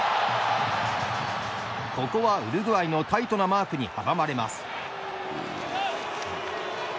ここはウルグアイのタイトなマークに阻まれます。